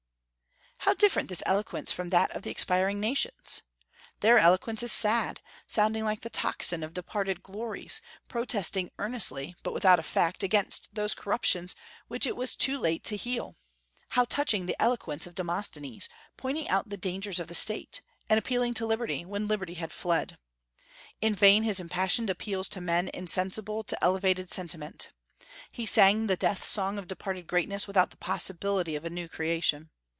How different this eloquence from that of the expiring nations! Their eloquence is sad, sounding like the tocsin of departed glories, protesting earnestly but without effect against those corruptions which it was too late to heal. How touching the eloquence of Demosthenes, pointing out the dangers of the State, and appealing to liberty, when liberty had fled. In vain his impassioned appeals to men insensible to elevated sentiments. He sang the death song of departed greatness without the possibility of a new creation.